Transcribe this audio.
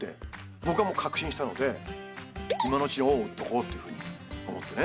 僕はもう確信したので今のうちに恩を売っておこうっていうふうに思ってね